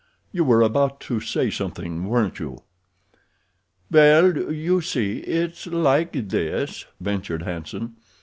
"You were about to say something weren't you?" "Well, you see it's like this," ventured Hanson.